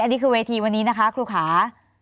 อันนี้คือเวทีวันนี้นะคะครูขา